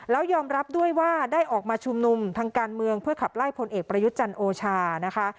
แล้วยอมรับด้วยว่าได้ออกมาชุมนุมทางการเมืองเพื่อขับไล่พลเอกประยุทธ์จันทร์โอชานะคะ